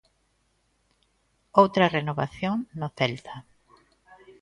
Outra renovación no Celta.